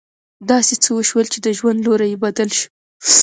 داسې څه وشول چې د ژوند لوری يې بدل شو.